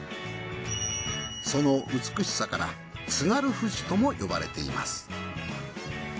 その美しさから津軽富士とも呼ばれています。